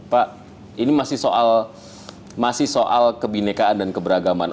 pak ini masih soal kebinekaan dan keberagaman